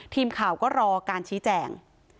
ทีมข่าวก็รอการชี้แจง